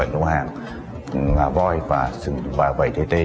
bảy lô hàng ngà voi và bảy gt